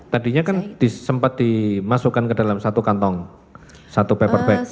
tadinya kan disempet dimasukkan ke dalam satu kantong satu paperback